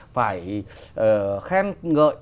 phải khen ngợi